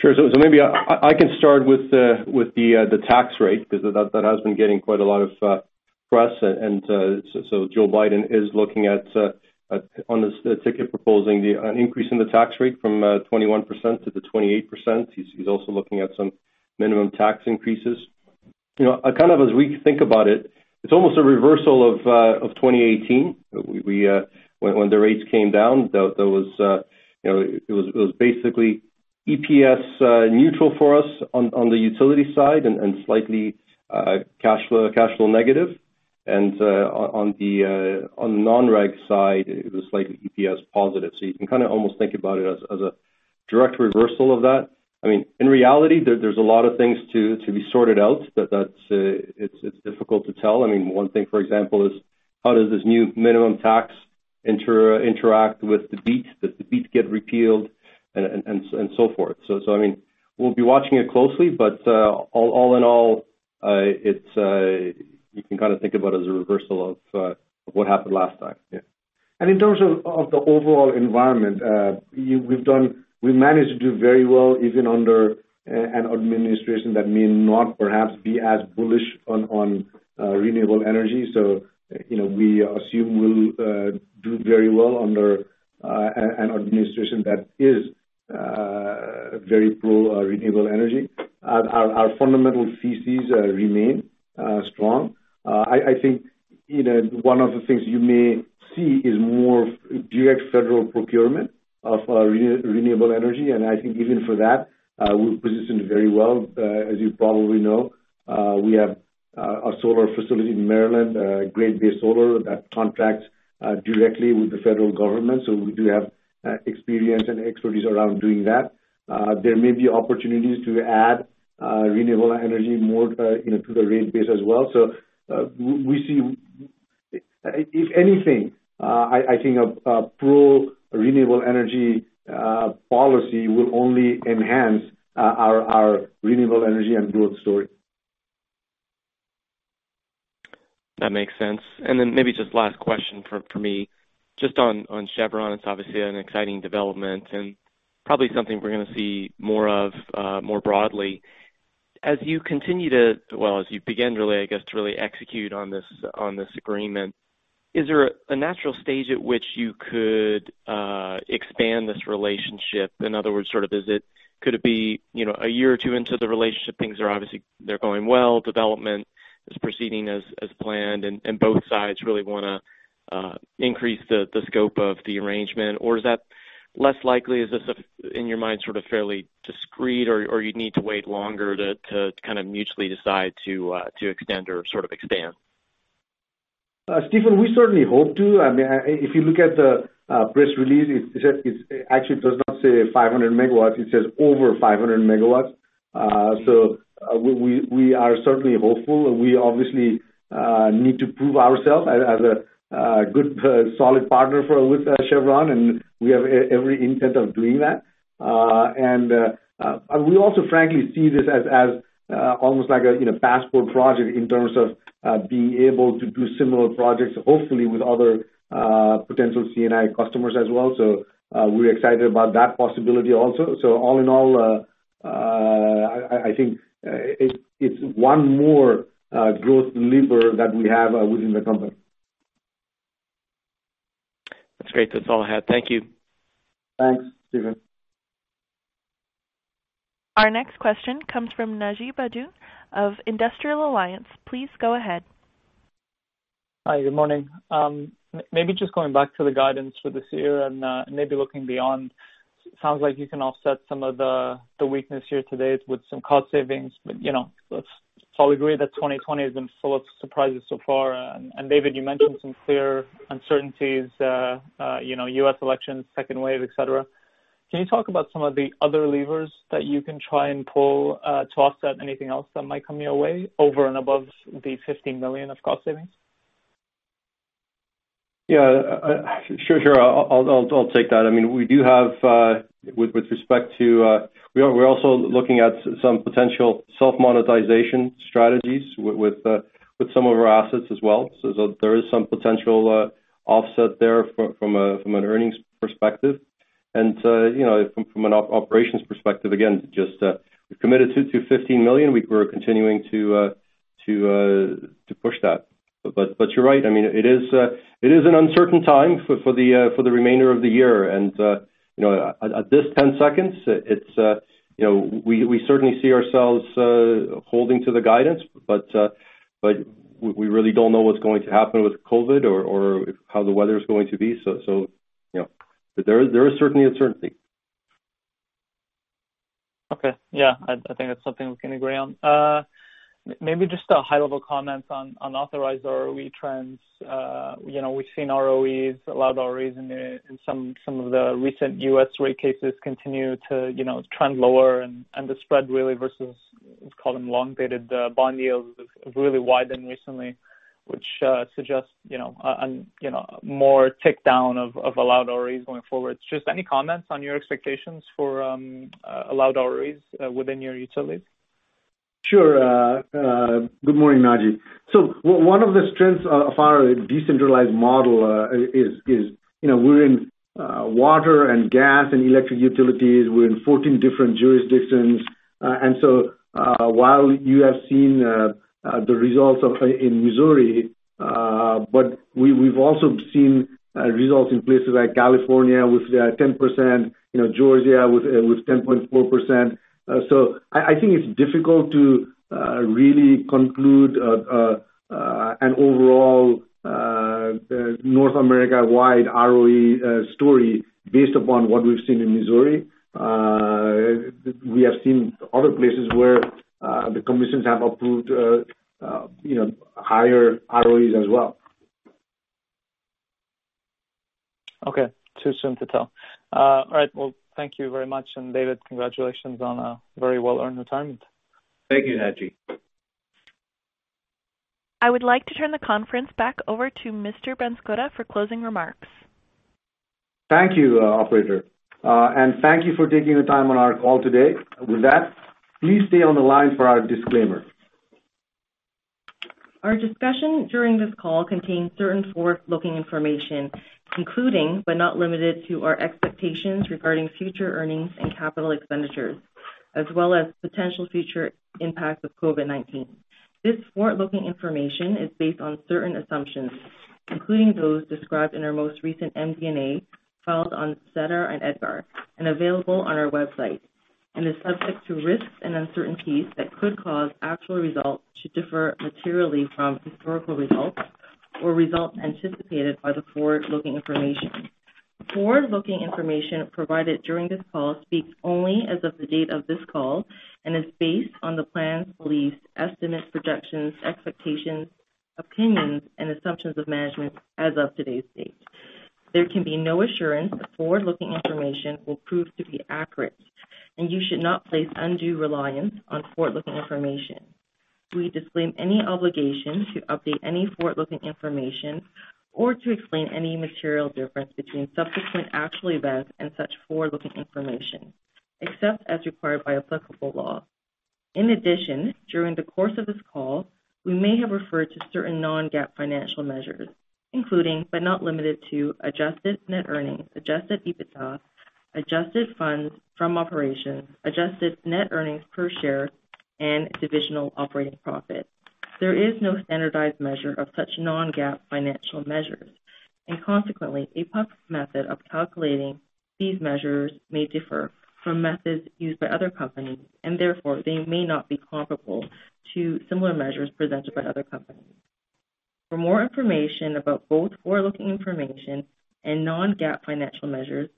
Sure. Maybe I can start with the tax rate, because that has been getting quite a lot of press. Joe Biden is looking at, on this ticket proposing an increase in the tax rate from 21% to the 28%. He's also looking at some minimum tax increases. Kind of as we think about it's almost a reversal of 2018. When the rates came down, it was basically EPS neutral for us on the utility side and slightly cash flow negative. On the non-reg side, it was slightly EPS positive. You can kind of almost think about it as a direct reversal of that. In reality, there's a lot of things to be sorted out. It's difficult to tell. One thing, for example, is how does this new minimum tax interact with the BEAT? Does the BEAT get repealed? So forth. We'll be watching it closely, but all in all, you can kind of think about it as a reversal of what happened last time. Yeah. In terms of the overall environment, we've managed to do very well even under an administration that may not perhaps be as bullish on renewable energy. We assume we'll do very well under an administration that is very pro renewable energy. Our fundamental theses remain strong. I think one of the things you may see is more direct federal procurement of renewable energy. I think even for that, we're positioned very well. As you probably know, we have a solar facility in Maryland, Great Bay Solar, that contracts directly with the federal government. We do have experience and expertise around doing that. There may be opportunities to add renewable energy more to the rate base as well. If anything, I think a pro renewable energy policy will only enhance our renewable energy and growth story. That makes sense. Maybe just last question for me, just on Chevron, it's obviously an exciting development and probably something we're going to see more of more broadly. As you begin really, I guess, to really execute on this agreement, is there a natural stage at which you could expand this relationship? In other words, could it be a year or two into the relationship, things are obviously going well, development is proceeding as planned, and both sides really want to increase the scope of the arrangement? Is that less likely? Is this, in your mind, sort of fairly discrete or you need to wait longer to kind of mutually decide to extend or sort of expand? Stephen, we certainly hope to. If you look at the press release, it actually does not say 500 MW, it says over 500 MW. We are certainly hopeful. We obviously need to prove ourselves as a good, solid partner with Chevron, and we have every intent of doing that. We also, frankly, see this as almost like a passport project in terms of being able to do similar projects, hopefully with other potential C&I customers as well. We're excited about that possibility also. All in all, I think it's one more growth lever that we have within the company. That's great. That's all I had. Thank you. Thanks, Stephen. Our next question comes from Naji Baydoun of Industrial Alliance. Please go ahead. Hi, good morning. Just going back to the guidance for this year and maybe looking beyond. It sounds like you can offset some of the weakness here today with some cost savings, but let's all agree that 2020 has been full of surprises so far. David, you mentioned some clear uncertainties, U.S. elections, second wave, et cetera. Can you talk about some of the other levers that you can try and pull to offset anything else that might come your way over and above the $15 million of cost savings? Yeah. Sure. I'll take that. We're also looking at some potential self-monetization strategies with some of our assets as well. There is some potential offset there from an earnings perspective. From an operations perspective, again, just we've committed to $15 million. We're continuing to push that. You're right. It is an uncertain time for the remainder of the year. At this 10 seconds, we certainly see ourselves holding to the guidance, but we really don't know what's going to happen with COVID or how the weather's going to be. There is certainly uncertainty. Okay. Yeah. I think that's something we can agree on. Maybe just a high-level comment on authorized ROE trends. We've seen ROEs, allowed ROEs in some of the recent U.S. rate cases continue to trend lower and the spread really versus, call them long-dated bond yields, have really widened recently, which suggests a more tick down of allowed ROEs going forward. Just any comments on your expectations for allowed ROEs within your utilities? Sure. Good morning, Naji. One of the strengths of our decentralized model is we're in water and gas and electric utilities. We're in 14 different jurisdictions. While you have seen the results in Missouri, but we've also seen results in places like California with 10%, Georgia with 10.4%. I think it's difficult to really conclude an overall North America-wide ROE story based upon what we've seen in Missouri. We have seen other places where the commissions have approved higher ROEs as well. Okay. Too soon to tell. All right. Well, thank you very much. David, congratulations on a very well-earned retirement. Thank you, Naji. I would like to turn the conference back over to Mr. Banskota for closing remarks. Thank you, operator. Thank you for taking the time on our call today. With that, please stay on the line for our disclaimer. Our discussion during this call contains certain forward-looking information, including, but not limited to, our expectations regarding future earnings and capital expenditures, as well as potential future impacts of COVID-19. This forward-looking information is based on certain assumptions, including those described in our most recent MD&A filed on SEDAR and EDGAR and available on our website, and is subject to risks and uncertainties that could cause actual results to differ materially from historical results or results anticipated by the forward-looking information. Forward-looking information provided during this call speaks only as of the date of this call and is based on the plans, beliefs, estimates, projections, expectations, opinions and assumptions of management as of today's date. There can be no assurance that forward-looking information will prove to be accurate, and you should not place undue reliance on forward-looking information. We disclaim any obligation to update any forward-looking information or to explain any material difference between subsequent actual events and such forward-looking information, except as required by applicable law. In addition, during the course of this call, we may have referred to certain non-GAAP financial measures, including, but not limited to, adjusted net earnings, adjusted EBITDA, adjusted funds from operations, adjusted net earnings per share and divisional operating profit. There is no standardized measure of such non-GAAP financial measures, and consequently, APUC's method of calculating these measures may differ from methods used by other companies and therefore they may not be comparable to similar measures presented by other companies. For more information about both forward-looking information and non-GAAP financial measures,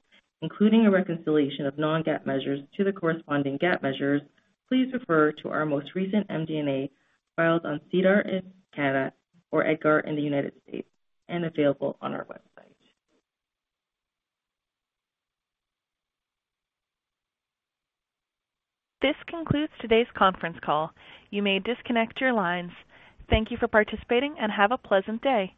including a reconciliation of non-GAAP measures to the corresponding GAAP measures, please refer to our most recent MD&A filed on SEDAR in Canada or EDGAR in the U.S. and available on our website. This concludes today's conference call. You may disconnect your lines. Thank you for participating and have a pleasant day.